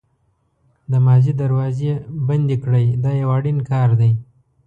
د ماضي دروازې بندې کړئ دا یو اړین کار دی.